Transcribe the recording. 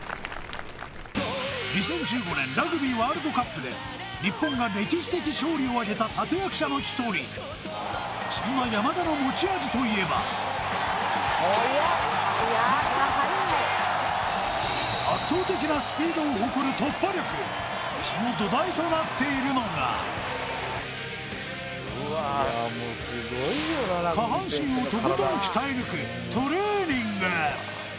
２０１５年ラグビーワールドカップで日本が歴史的勝利をあげた立役者の一人そんな山田の持ち味といえばその土台となっているのが下半身をとことん鍛え抜くトレーニング